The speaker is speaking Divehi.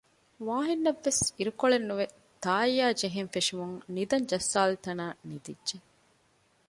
ވާހިންނަށްވެސް އިރުކޮޅެއްނުވެ ތާއްޔާޖެހެން ފެށުމުން ނިދަން ޖައްސާލިތަނާ ނިދިއްޖެ